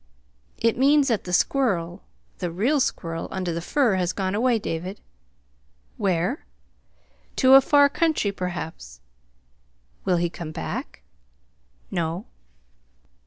"It means that the squirrel, the real squirrel under the fur, has gone away, David." "Where?" "To a far country, perhaps." "Will he come back?" "No."